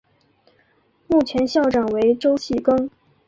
目前校长为周戏庚。